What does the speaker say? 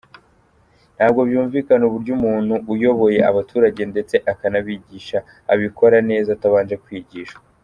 Ntabwo byumvikana uburyo umuntu uyoboye abaturage ndetse akanabigisha abikora neza atabanje kwigishwa